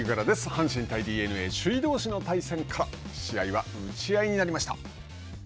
阪神対ＤｅＮＡ首位どうしの対戦から試合は打ち合いになりました。